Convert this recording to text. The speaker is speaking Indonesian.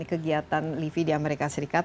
kegiatan livi di amerika serikat